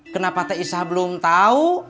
kenapa t isa belum tahu